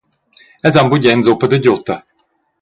Els han bugen suppa da giutta.